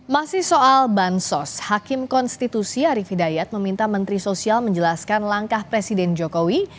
masih soal bansos hakim konstitusi arief hidayat meminta menteri sosial menjelaskan langkah presiden jokowi